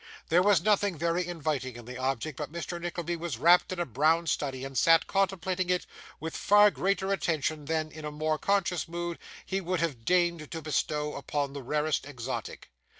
There was nothing very inviting in the object, but Mr Nickleby was wrapt in a brown study, and sat contemplating it with far greater attention than, in a more conscious mood, he would have deigned to bestow upon the rarest exotic.